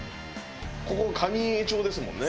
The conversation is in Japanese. ここ蟹江町ですもんね？